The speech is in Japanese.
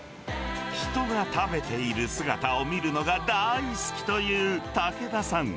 人が食べている姿を見るのが大好きという武田さん。